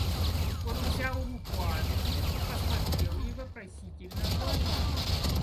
Он взял руку Анны и посмотрел ей вопросительно в глаза.